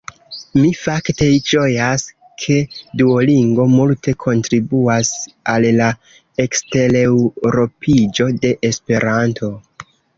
Mi fakte ĝojas, ke Duolingo multe kontribuas al la ekstereŭropiĝo de Esperanto.